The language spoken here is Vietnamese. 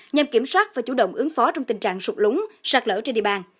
nhằm kiểm soát và chủ động ứng phó trong tình trạng sụt lúng sạt lỡ trên địa bàn